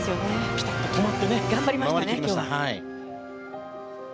ピタッと止まって回り切りました。